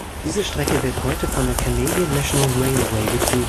Diese Strecke wird heute von der Canadian National Railway betrieben.